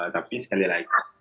tapi sekali lagi